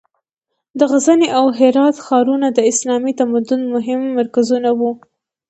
د غزني او هرات ښارونه د اسلامي تمدن مهم مرکزونه وو.